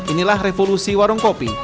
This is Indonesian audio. inilah revolusi warung kopi